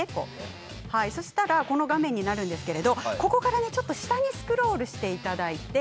そうしたらこの画面になりますがここから下にスクロールしていただいて